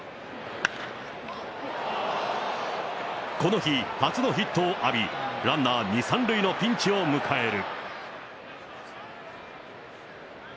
この日、初のヒットを浴び、ランナー２、３塁のピンチを迎える。